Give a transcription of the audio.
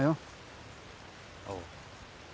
おう。